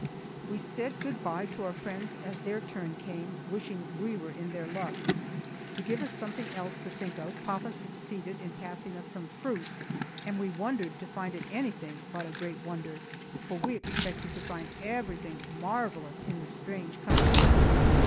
We said good bye to our friends as their turn came, wishing we were in their luck. To give us something else to think of, papa succeeded in passing us some fruit; and we wondered to find it anything but a great wonder, for we expected to find everything marvellous in the strange country.